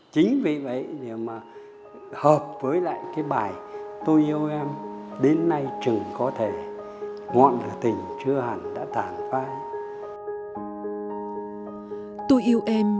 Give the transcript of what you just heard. chính vì vậy mà hợp với lại cái bài tôi yêu em